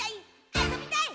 あそびたい！